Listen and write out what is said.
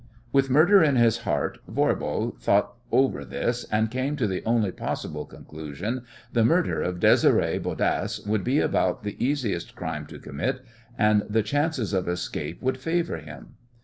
With murder in his heart, Voirbo thought over this, and came to the only possible conclusion the murder of Désiré Bodasse would be about the easiest crime to commit and the chances of escape would favour him.